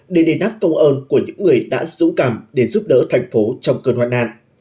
để đền đáp công ơn của những người đã dũng cảm để giúp đỡ thành phố trong cơn hoạn nạn